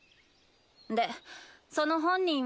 でその本人は？